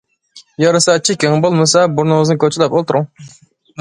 يارىسا چېكىڭ بولمىسا بۇرنىڭىزنى كوچىلاپ ئولتۇرۇڭ.